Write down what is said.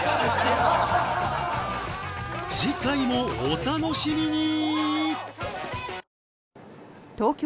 次回もお楽しみに！